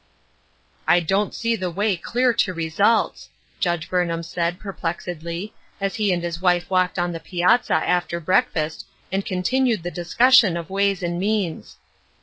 " I don't see the way clear to results," Judge Burnham said, perplexedly, as he and his wife walked on the piazza after breakfast and con tinued the discussion of ways and means.